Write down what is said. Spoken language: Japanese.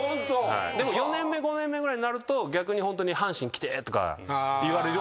でも４年目５年目ぐらいになると逆にホントに阪神来てとか言われるようになりました。